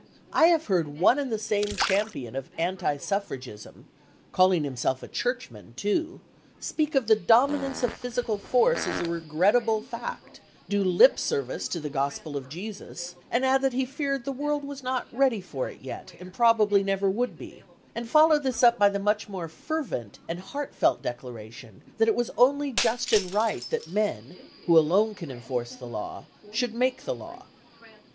I have heard one and the same champion of anti suffragism (calling himself a Churchman, too) speak of the dominance of physical force as a "regrettable fact," do lip service to the gospel of Jesus, and add that he feared the world was not ready for it yet and probably never would be, and follow this up by the much more fervent and heartfelt declaration that it was "only just and right that men, who alone can enforce the law, should make the law."